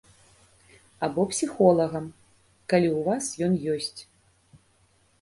Або псіхолагам, калі ў вас ён ёсць.